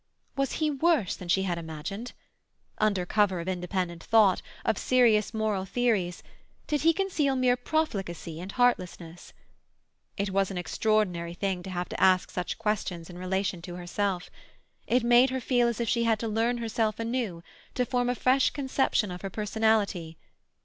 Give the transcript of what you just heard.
Was he worse than she had imagined? Under cover of independent thought, of serious moral theories, did he conceal mere profligacy and heartlessness? It was an extraordinary thing to have to ask such questions in relation to herself. It made her feel as if she had to learn herself anew, to form a fresh conception of her personality.